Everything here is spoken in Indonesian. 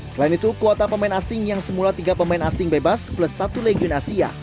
selain itu kuota pemain asing yang semula tiga pemain asing bebas plus satu legion asia